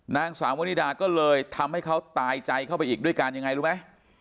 นางสามวนิดาทำให้เขาตายใจเข้าไปอีกด้วยกันอย่างไงรู้ไหม